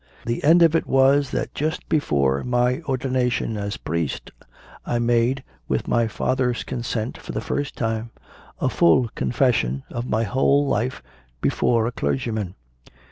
The end of it was that just before my ordination as "priest" I made, with my father s consent, for the first time, a full confession of my whole life before a clergyman.